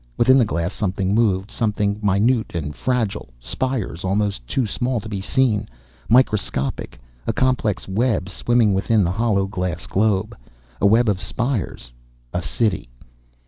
Within the glass something moved, something minute and fragile, spires almost too small to be seen, microscopic, a complex web swimming within the hollow glass globe. A web of spires. A City.